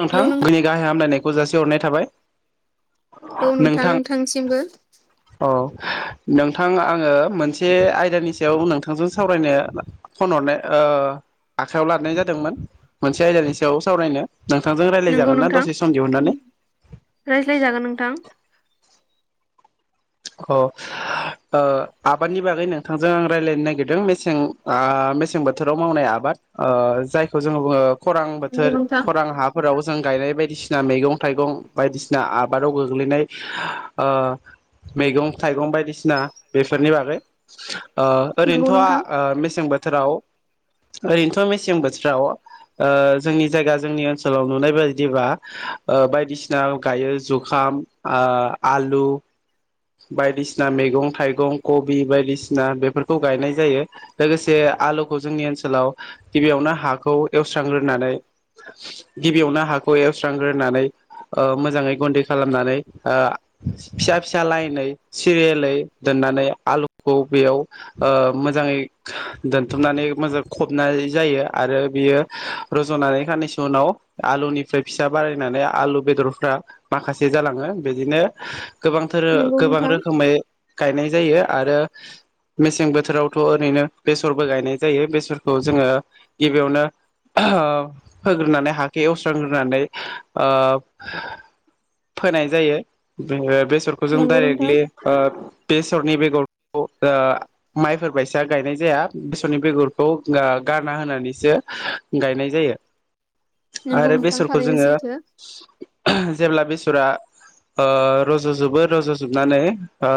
नोंथां हेलौ नों दिनि गाहाय हामलायनायखौ जासि हरनाय था थाबाय औ नोंथां नोंथांसिमबो औ नोंथां आङो मोनसे आयदानि सायाव नोंथांजों सावरायनो फन हरनाय ओ आखायाव लानाय जादोंमोन मोनसे आयदानि सायाव सावरायनो नोंथांजों नंगौ रायज्लायजागोन ना नोंथां दसे सम दिहुननानै रायज्लायजागोन नोंथां अ ओ आबादनि बागै नोंथांजों आं रायलायनो नागिरदों मेसें आ मेसें बोथोराव मावनाय आबाद जायखौ जोङो बुङो खरां नंगौ बोथोर नोंथां खरां हाफोराव जों गायनाय बायदिसिना मैगं थाइगं बायदिसिना आबादाव गोग्लैनाय मैगं थाइगं बायदिसिना बेफोरनि बागै ओ नंगौ नोंथां ओरैनोथ मेसें बो बोथोराव ओरैनोथ मेसें बोथोराव ओ जोंनि जायगा जोंनि ओनसोलाव नुनाय बायदिबा बायदिसिना गायो जुखाम आ आलु बायदिसिना मैगं थाइगं कबि बायदिसिना बेफोरखौ गायनाय जायो लोगोसे आलुखौ जोंनि ओनसोलाव गिबियावनो हाखौ एवस्रांग्रोनानै गिबियावनो हाखौ एवस्रांग्रोनानै ओ मोजाङै गुन्दै खालामनानै फिसा- फिसा लाइनै सिरियालै दोननानै आलुखौ बेयाव मोजाङै दोनथुमनानै मोजां फबनाय जायो आरो बेयो रजनानै खानैसै उनाव आलुनिफ्राय फिसा बारायनानै आलु बेदरफ्रा माखासे जालाङो बिदिनो- गोबांथार नंगौ गोबां नोंथां रोखोमै गायनाय जायो आरो मेसें बोथोरावथ ओरैनो बेसरबो गायनाय जायो बेसरखौ जोङो गिबियावनो फोग्रोनानै हाखौ एवस्रांग्रोनानै ओ फोनाय जायो बे बेसरखौ जों नंगौ नोंथां डाइरेक्टलि ओ बेसरनि बेगरखौ ओ माइफोर बायसा गायनाय जाया बेसरनि बेगरखौ गारना होनानैसो गायनाय जायो नंगौ आरो नोंथां बेसरखौ थारैनो जोंङो सैथो जेब्ला बेसरा ओ रजजोबो रजजोबनानै ओ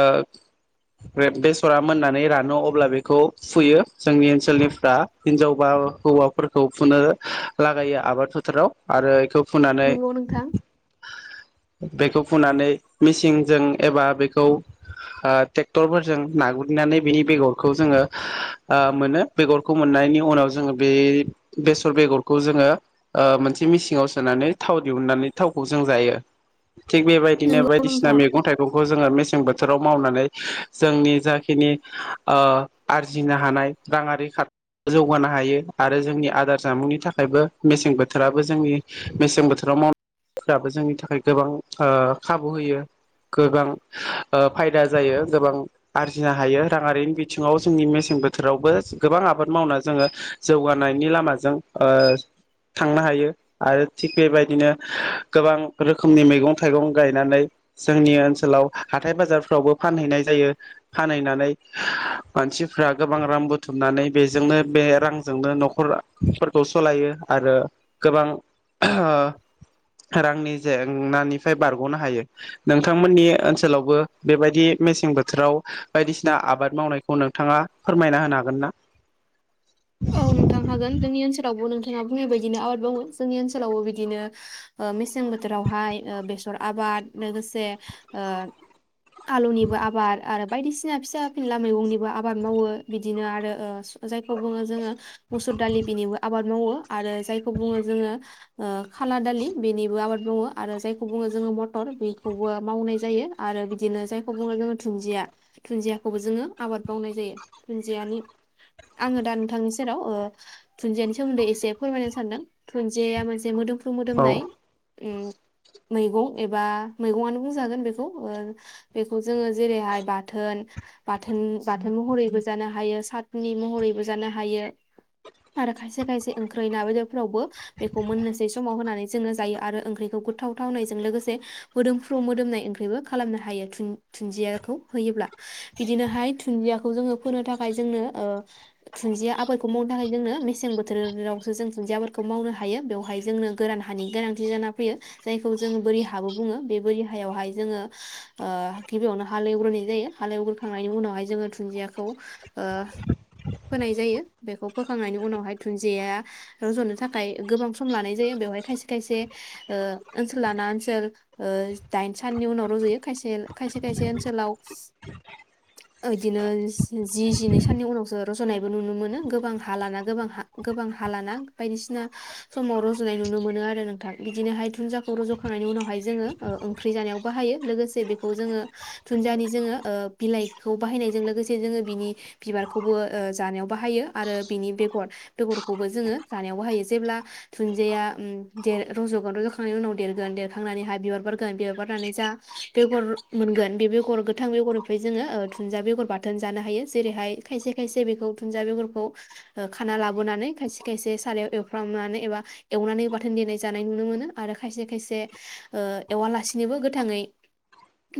ओ बे बेसरा मोननानै रानो अब्ला बेखौ फुयो जोंनि ओनसोलनिफ्रा हिनजाव बा हौवाफोरखौ फुनो लागायो आबाद फोथाराव आरो बेखौ। फुनानै नंगौ नोंथां। बेखौ फुनानै मेसिनजों एबा बेखौ ओ ट्रेक्टरफोरजों नागुरैनानै बेनि बेगरखौ जोंङो मोनो बेगरखौ मोननायनि उनाव जोंङो बे बेसर बेगरखौ जोंङो ओ मोनसे मेसिङाव सोनानै थाव दिहुननानै थावखौ जों जायो। थिग बेबायदिनो नंगौ बायदिसिना नोंथां मैगं थाइगंखौ जोङो मेसें बो थोराव मावनानै जोंनि जाखिनि ओ आरजिनो हानाय रांङारि जौगानो हायो आरो जोंनि आदार जामुंनि थाखायबो मेसें बोथोराबो जोंनि मेसें बोथोराव मावनायाबो जोंनि थाखाय गोबां खाबु होयो गोबां फायदा जायो गोबां आरजिनो हायो राङारिनि बिथिङाव जोंनि मेसें बोथोरावबो गोबां आबाद मावनानै जोङो जौगानायनि लामाजों ओ थांनो हायो आरो थिग बेबायदिनो गोबां रोखोम- रोखोमनि मैगं थाइगं गायनानै जोंनि ओनसोलाव हाथाय बाजारफ्रावबो फानहैनाय जायो फानहैनानै मानसिफ्रा गोबां रां बुथुमनानै बेजोंनो बे रांजोंनो नखरफोरखौ सालायो आरो गोबां रांनि जेंनानिफ्राय बारगनो हायो नोंथांमोननि ओनसोलावबो बेबायदि मेसें बोथोराव बायदिसिना आबाद मावनायखौ नोंथाङा फोरमायना होनो हागोन ना? औ नोंथां हागोन जोंनि ओनसोलावबो नोंथाङा बुंनाय बादिनो आबाद मावो जोंनि ओनसोलावबो बिदिनो ओ मेसें बोथोरावहाय बेसर आबाद लोगोसे ओ आलुनिबो आबाद आरो बायदिसिना फिसा फिनला मैगंनिबो आबाद मावो बिदिनो आरो जायखौ बुङो। जों मुसुर दालि बेनि आबाद मावो आरो जायखौ बुङो जोङो खाला दालि बेनिबो आबाद मावो आरो जायखौ बुङो जोङो मथर बेखौबो मावनाय जायो आरो बिदिनो जायखौ बुङो जोङो दुन्दिया दुन्दियाखौबो जोङो आबाद मावनाय जायो। दुुनदियानि आङो दा नोंथांनि सेराव दुनजियानि सोमोन्दै एसे फोरमायनो सानदों दुनजिया मोनसे मोदोम मोदोमनाय ओम मैगं एबा मैगंआनो बुंजागोन बेखौ ओ बेखौ जोङो जेरैहाय बाथोन बाथोन बाथोन महरैबो जानो हायो सातनि महरैबो जानो हायो आरो खायसे खायसे ओंख्रै ना बेदरफ्रावबो बेखौ मोननोसै समाव होनानै जों जायो आरो ओंख्रिखौ गोथाव थावनायजों लोगोसे मोदोमफ्रु मोदोमनाय ओंख्रिबो खालामनो हायो दुुनदियाखौ होयोब्ला बिदिनोहाय दुन्दियाखौ जोङो फोनो थाखाय जोंनो ओ- थुन्दिया आबादखौ मावनो थाखाय जोंनो मेसें बोथोरावसो जों दुन्दिया आबादखौ मावनो हायो बेवहाय जोंनो गोरान हानि गोनांथि जाना फैयो जायखौ जोंङो बोरि हाबो बुङो। बे बोरि हायावहाय जोङो गिबियावनो हाल एवग्रोनाय जायो हाल एवग्रोखांनायनि उनावहाय जोङो दुन्दियाखौ- फोनाय जायो बेखौ फोखांनायनि उनावहाय दुुनदिया रजनो थाखाय गोबां सम लानाय जायो बेवहाय खायसे खायसे ओ ओनसोल लाना ओनसोल ओ दाइन साननि उनाव रजयो खायसे खायसे खायसे ओनसोलाव बिदिनो जि जिनै साननि उनावसो रजनायबो नुनो मोनो गोबां हा लाना गोबां हा गोबां हा लाना बायदिसिना समाव रजनाय नुनो मोनो आरो नोंथां। बिदिनोहाय दुुनदियाखौ रजखांनायनि उनावहाय जोंङो ओंख्रि जानायाव बाहायो लोगोसे बेखौ जोंङो दुन्दियानि जोंङो बिलाइखौ बाहायनायजों लोगोसे जोंङो बिनि बिबारखौबो- ओ जानायाव बाहायो आरो बिनि बेगर बेगरखौबो जोङो जानायाव बाहायो जेब्ला दुनदिया रजगोन रजखांनायनि उनाव देरगोन देरखांनानैहाय बिबार बारगोन बिबार बारनानै जा बेगर मोनगोन बे बेगर गोथां बेगरनिफ्राय जोङो दुनदिया बेगर बाथोन जानो हायो जेरैहाय खायसे खायसे बेखौ दुुनदिया बेगरखौ खाना लाबोनानै खायसे खायसे सारायाव एवफ्रामनानै एबा एवनानै बाथोन देनाय जानाय नुनो मोनो आरो खायसे खायसे एवालासिनोबो गोथांङै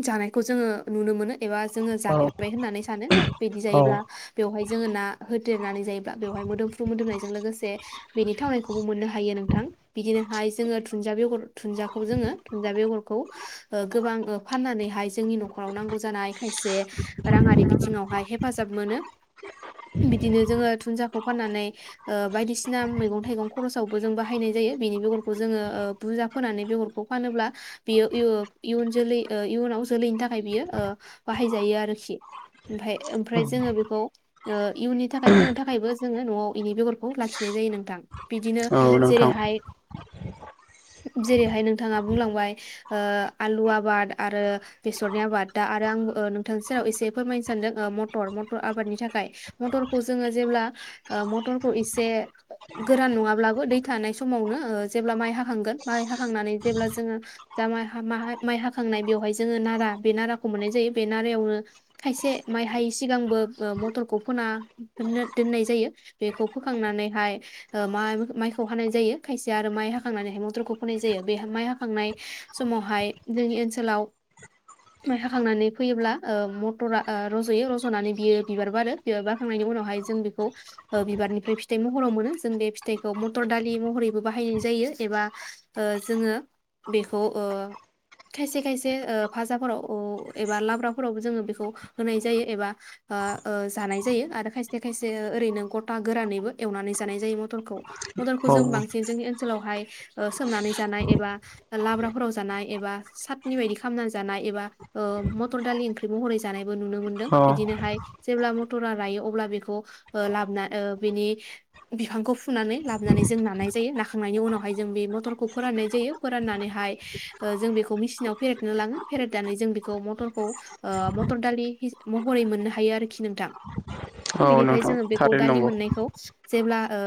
जानायखौ जोंङो नुनो मोनो। एबा जोङो औ जाफेरबाय होननानै सानो बिदि औ जायोब्ला बेयावहाय जोङो ना होदेरनानै जायोब्ला बेवहाय मोदोमफ्रु मोदोमनायजों लोगोसे बेनि थावनायखौबो मोननो हायो नोंथां बिदिनोहाय जोङो दुनदिया बेगरखौहाय जोङो दुुनजया बेगरखौ गोबां फाननानैहाय जोंनि नखराव नांगौ जानाय खायसे राङारि बिथिङावहाय हेफाजाब मोनो। बिदिनो जोङो दुनदियाखौ फाननानै ओ बायदिसिना मैगं थाइगं खरसावबो जों बाहायनाय जायो बेनि बेगरखौ जोङो बुरजा फोनानै बेगरखौ फानोब्ला बियो इयुन जोलै इयुनाव जोलैनि थाखाय बियो बाहायजायो आरोखि ओमफाय ओमफ्राय जोङो बेखौ इयुननि थाखाय फोनो थाखायबो जोङो नआव बेनि बेगरखौ लाखिनाय जायो नोंथां बिदिनो औ नोंथां जेरैहाय जेरैहाय नोंथाङा बुंलांबाय आलु आबाद आरो बेसरनि आबाद दा आरो आं नोंथांनि सेराव एसे फोरमायनो सानदों मटर मटर आबादनि था फाय मटरखौ जोङो जेब्ला ओ मथरखौ एसे गोरान नङाब्लाबो दै थानाय समावनो ओ जेब्ला माइ हाखांगोन माइ हाखांनानै जेब्ला जोङो जा [unintelligible] माइ हाखांनाय बेवहाय जोङो नारा बे नाराखौ मोननाय जायो। बे नारायावनो खायसे माइ हायै सिगांबो ओ मटर खौ फोना दोनो दोननाय जायो बेखौ फोखांनानैहाय ओ माइ माइखौ हानाय जायो। खायसे आरो माइ हाखांनानैहाय मटरखौ फोनाय जायो बे माइ हाखांनाय समावहाय जोंनि ओनसोलाव माइ हाखांनानै फैयोब्ला ओ मटरा ओ रज'यो रजनानै बियो बिबार बारो बिबार बाखांनायनि उनावहाय जों बेखौ ओ बिबारनिफ्राय फिथाइ महराव मोनो जों बे फिथाइखौ मथर दालि महरैबो बाहायनाय जायो एबा ओ जोङो बेखौ ओ खायसे खायसे ओ भाजाफोराव ओ एबा लाब्राफोरावबो जोङो बेखौ होनाय जायो एबा आ ओ जानाय जायो आरो खायसे खायसे ओरैनो गथा गोरानैबो एवनानै जानाय जायो मटरखौ। पदलखौ जों औ बांसिन जों एन ओनसोलावहाय सोमनानै जानाय एबा लाब्राफोराव जानाय एबा सातनि बायदि खालामनानै जानाय एबा ओ मथर दालि ओंख्रि महरै जानायबो नुनो मोन्दों औ बिदिनोहाय जेब्ला मटरा रायो अब्ला बेखौ ओ लाबोना ओ बेनि बिफांखौ फुनानै लाबोनानै जों नानाय जायो नाखांनायनि उनावहाय जों बे मटरखौ फोराननाय जायो फोराननानैहाय जों बेखौ मेसिनाव फेरेदनो लाङो फेरेदनानै जों बेखौ मटरखौ ओ मटर दालि महरै मोननो हायो आरोखि नोंथां। औ बेनिफ्राय नोंथां जोंङो बेखौ थारैनो दालि नंगौ मोननायखौ जेब्ला ओ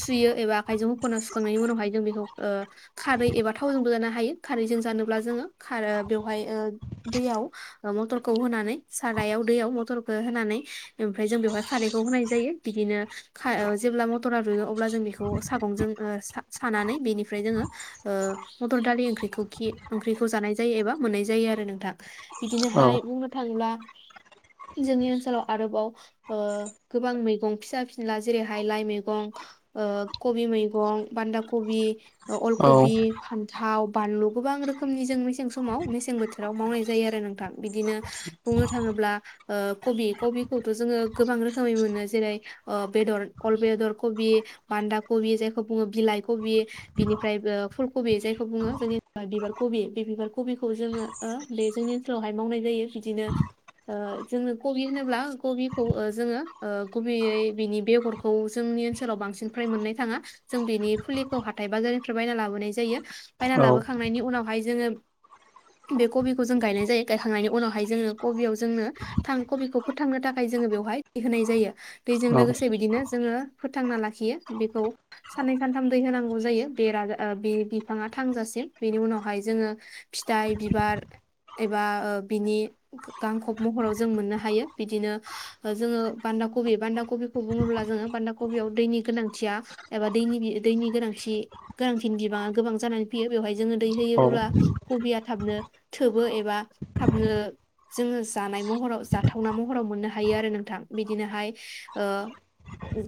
सुयो एबा आखायजों हखना सुखांनायनि उनावहाय जों बेखौ ओ खारै एबा थावजोंबो जानो हायो खारैजों जानोब्ला जोङो खार बेवहाय ओ दैयाव मटरखौ होनानै सारायाव दैयाव मटरखौ होनानै ओमफ्राय जों बेवहाय खारैखौ होनाय जायो बिदिनो खा ओ जेब्ला मटरा रुयो अब्ला जों बेखौ सागंजों सा सानानै बेनिफ्राय जोङो ओ मटर दालि ओंख्रिखौ खि ओंख्रिखौ जानाय जायो एबा मोननाय जायो आरो नोंथां औ बिदिनोहाय बुंनो थाङोब्ला जोंनि ओनसोलाव आरोबाव ओ गोबां मैगं फिसा फिनला जेरैहाय ओ लाइ मैगं ओ कबि मैगं बान्दा कबि अल औ कबि फान्थाव बानलु गोबां रोखोमनि जों मेसें समाव मेसें बोथोराव मावनाय जायो आरो नोंथां बिदिनो बुंनो थाङोब्ला ओ कबि कबि खौथ जोङो गोबां रोखोमै मोनो जेरै ओ बेदर अल बेदर कबि बान्दा कबि जायखौ बुङो बिलाइ कबि बिनिफ्राय ओ फुल कबि जायखौ बुङो जोंनि बिबार कबि बे बिबार कबिखौ जोङो ओ बे जोंनि ओनसोलावहाय मावनाय जायो बिदिनो ओ जोङो कबि होनोब्ला कबिखौ ओ जोङो ओ गुबैयै बिनि बेगरखौ जोंनि ओनसोलाव बांसिन फ्रय मोननाय थाङा जों बेनि फुलिखौ हाथाय बाजारनिफ्राय बायना लाबोनाय जायो बायना औ लाबोखांनायनि उनावहाय जोङो बे कबिखौ जों गायनाय जायो गायखांनायनि उनावहाय जोङो कबियाव जोंनो थां कबिखौ फोथांनो थाखाय थाखाय जोङो बेवहाय दै होनाय जायो दैजों औ लोगोसे बिदिनो जोङो फोथांना लाखियो बेखौ साननै सानथाम दै होनांगौ जायो बेरा ओ बे बिफाङा थांजासिम बेनि उनावहाय जोङो फिथाइ बिबार एबा बिनि गांखब महराव जों मोननो हायो बिदिनो जोङो बान्दा कबि बान्दा कबिखौ बुङोब्ला जोङो बान्दा कबियाव दैनि गोनांथिया एबा दैनि दैनि गोनांथि गोनांथिनि बिबाङा गोबां जानानै फैयो बेवहाय जोङो दै होयोब्ला कबिया थाबनो थोबो एबा थाबनो जोङो जानाय महराव जाथावना महराव मोननो हायो। हायो आरो नोंथां बिदिनोहाय ओ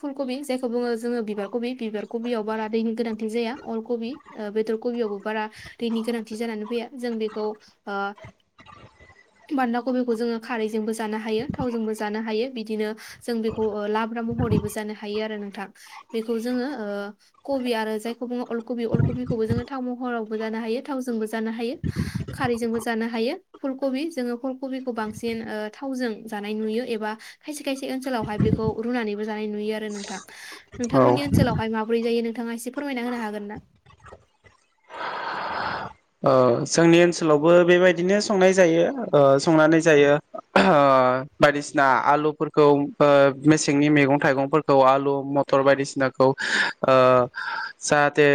फुल कबि जायखौ बुङो जोङो बिबार कबि बिबार कबियाव बारा दैनि गोनांथि जाया अल ओ कबि बेदर कबियावबो बारा दैनि गोनांथि जानानै फैया जों बेखौ ओ बान्दा कबिखौ जोङो खारैजोंबो जानो हायो। थावजोंबो जानो हायो बिदिनो जों बेखौ ओ लाब्रा महरैबो जानो हायो आरो नोंथां बेखौ जोङो ओ कबि आरो जायखौ बुङो अलकबि अलकबिखौबो जोङो थाव महरावबो जानो हायो थावजोंबो जानो हायो खारैजोंबो जानो हायो फुलकबि जोङो फुल कबिखौ बांसिन थावजों जानाय नुयो एबा खायसे खायसे ओनसोलावहाय बेखौ रुनानैबो जानाय नुयो आरो नोंथां। औ औ नोंथांमोननि ओनसोलावहाय माब ब्रै जायो नोंथाङा एसे फोरमायना होनो हागोन ना जोंनि ओनसोलावबो बेबायदिनो संनाय जायो ओ संनानै जायो ओ बायदिसिना आलुफोरखौ ओ मेसेंनि मैगं थाइगंफोरखौ आलु मथर बायदिसिनाखौ ओ जाहाथे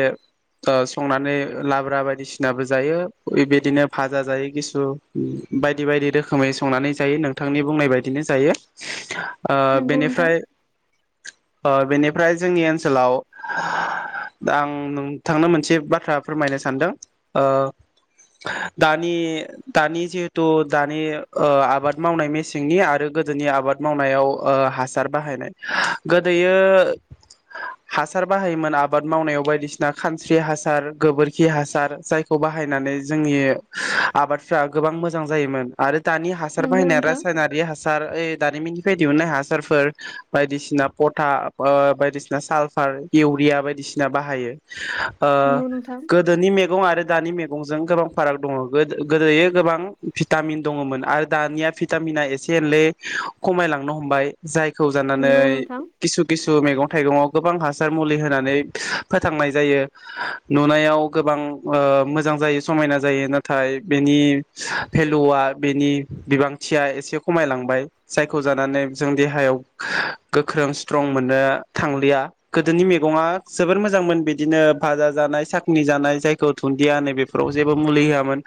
ओ संनानै लाब्रा बायदिसिनाबो जायो बेबायदिनो भाजा जायो किसु बायदि बायदि रोखोमै संनानै जायो नोंथांनि बुंनाय बायदिनो जायो। ओ नंगौ नोंथां बेनिफ्राय ओ बेनिफ्राय जोंनि ओनसोलाव आं नोंथांनो मोनसे बाथ्रा फोरमायनो सानदों। ओ दानि दानि जिहेथु दानि आबाद मावनाय मेसेंनि आरो गोदोनि आबाद मावनायाव हासार बाहायनाय गोदोयो हासार बाहायोमोन आबाद मावनायाव बायदिसिना खानस्रि हासार गोबोरखि हासार जायखौ खौ बाहायनानै जोंनि आबादफ्रा गोबां मोजां जायोमोन आरो। दानि हासार नंगौ बाहायनाय नोंथां रासायनारि हासार ओइ दानि मिनि बे दिहुननाय हासारफोर बायदिसिना पटा ओ बायदिसिना सालफार इउरिया बायदिसिना बाहायो। ओ नंगौ नोंथां गोदोनि मैगं आरो दानि मैगंजों गोबां फाराग दङ गोदो गोदोयो गोबां भिटामिन दङमोन आरो दानिया भिटामिना एसे एनलै खमांयलांनो हमबाय जाय। खौ जानानै नंगौ नोंथां किसु किसु मैग। थाइगंङाव गोबां हासार मुलि होनानै फोथांनाय जायो नुनायाव गोबां ओ मोजां जायो समायना जायो नाथाय बेनि भेलुआ बेनि बिबांथिया एसे खमायलांबाय जायखौ जानानै जों देहायाव गोख्रों स्ट्रं मोननो थांलिया गोदोनि मेगंङा जोबोर मोजांमोन बिदिनो भाजा जानाय साखनि जानाय जाय खौ थुन्दिया नै बेफोराव जेबो मुलि होआमोन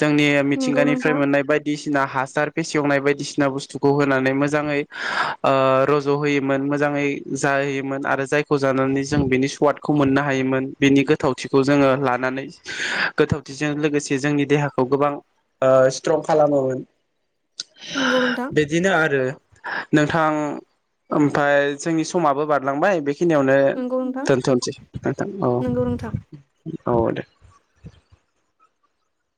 जोंनि नंगौ मिथिंगानिफ्राय नोंथां मोननाय बायदिसिना हास हासार फेसेवनाय बायदिसिना बुस्थुखौ होनानै मोजाङै ओ रज होयोमोन मोजाङै जाहोयोमोन आरो जायखौ जानानै जों बिनि स्वादखौ मोननो हायोमोन बिनि गोथावथिखौ जोङो लानानै गोथौथिजों लोगोसे जोंनि देहाखौ गोबां ओ स्ट्रं खालामोमोन। नंगौ नोंथां बिदिनो आरो नोंथां ओमफाय जोंनि समाबो बारलांबाय बे खिनियावनो नंगौ नोंथां दोनथनोसै नोंथां औ नंगौ नोंथां औ दे [inaudible]